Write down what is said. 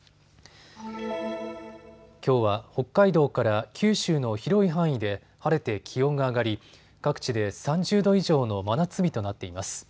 きょうは北海道から九州の広い範囲で晴れて気温が上がり各地で３０度以上の真夏日となっています。